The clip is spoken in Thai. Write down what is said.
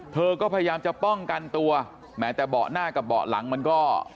เธอก็พยายามจะป้องกันตัวแม้แต่เบาะหน้ากับเบาะหลังมันก็